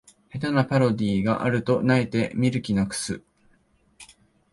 下手なパロディがあると萎えて見る気なくす